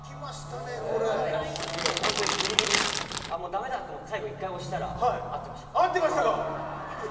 本当にぎりぎり駄目だと思って最後１回押したら合ってました。